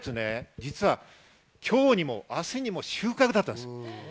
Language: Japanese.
実は今日にも明日にも収穫だったんです。